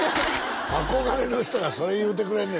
憧れの人がそれ言うてくれんね